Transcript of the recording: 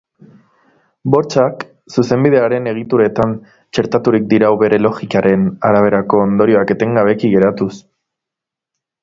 Bortxak zuzenbidearen egituretan txertaturik dirau bere logikaren araberako ondorioak etengabeki garatuz.